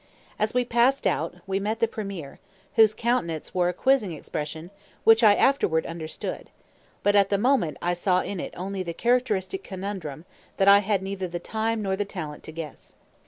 As we passed out, we met the premier, whose countenance wore a quizzing expression, which I afterward understood; but at the moment I saw in it only the characteristic conundrum that I had neither the time nor the talent to guess.